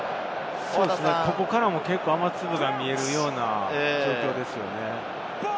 ここからも結構、雨粒が見えるような状況ですよね。